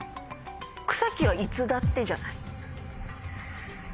「くさき」はいつだってじゃない？